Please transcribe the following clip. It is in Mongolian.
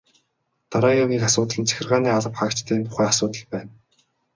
Дараагийн нэг асуудал нь захиргааны албан хаагчдын тухай асуудал байна.